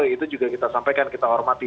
itu juga kita sampaikan kita hormati